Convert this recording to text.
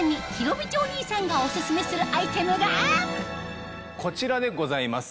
そんな皆さんにこちらでございます。